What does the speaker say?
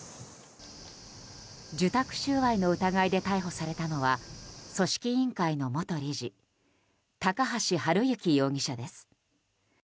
受託収賄の疑いで逮捕されたのは組織委員会の元理事高橋治之容疑者です。